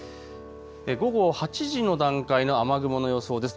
午後８時の段階の雨雲の予想です。